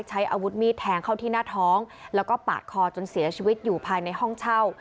ใช้อาวุธมีดแทงเข้าที่หน้าท้องแล้วก็ปาดคอจนเสียชีวิตอยู่ภายในห้องเช่า